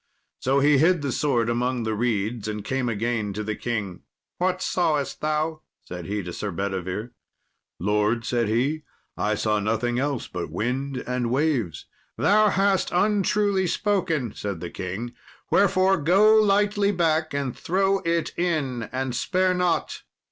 So he hid the sword among the reeds, and came again to the king. "What sawest thou?" said he to Sir Bedivere. "Lord," said he, "I saw nothing else but wind and waves." "Thou hast untruly spoken," said the king; "wherefore go lightly back and throw it in, and spare not."